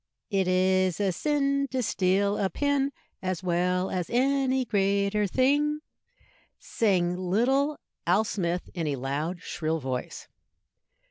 "It is a sin to steal a pin, As well as any greater thing," sang little Al Smith, in a loud, shrill voice.